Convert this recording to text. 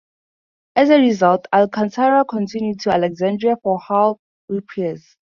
As a result, "Alcantara" continued to Alexandria for hull repairs.